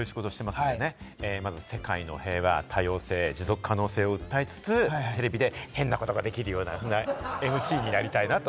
僕はこういう仕事していますから、世界の平和、多様性、持続可能性を訴えつつ、テレビで変なことができるようなＭＣになりたいなと。